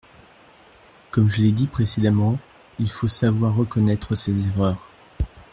Comme je l’ai dit précédemment, il faut savoir reconnaître ses erreurs.